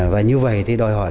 và như vậy thì đòi hỏi